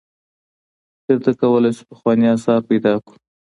چیرته کولای سو پخوانی آثار پیدا کړو؟